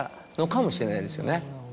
かもしれないですよね。